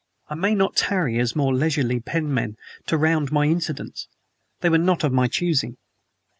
I may not tarry, as more leisurely penmen, to round my incidents; they were not of my choosing.